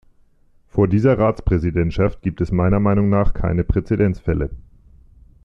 Vor dieser Ratspräsidentschaft gibt es meiner Meinung nach keine Präzedenzfälle.